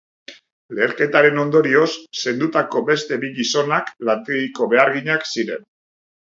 Leherketaren ondorioz zendutako beste bi gizonak lantegiko beharginak ziren.